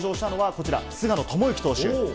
こちら、菅野智之投手。